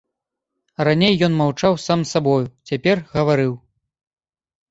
Раней ён маўчаў сам з сабою, цяпер гаварыў.